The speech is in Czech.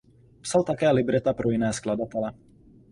Psal také libreta pro jiné skladatele.